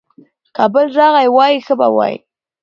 که بل راغلی وای، ښه به وای.